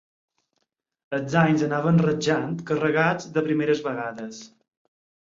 Els anys anaven rajant, carregats de primeres vegades.